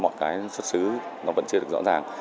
mọi cái xuất xứ nó vẫn chưa được rõ ràng